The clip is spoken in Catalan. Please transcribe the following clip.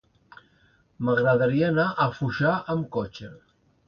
M'agradaria anar a Foixà amb cotxe.